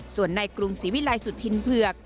ส่วนในกรุงศรีวิลัยสุธินเผือก